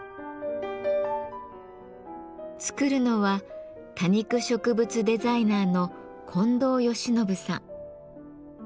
作るのは多肉植物デザイナーの近藤義展さん。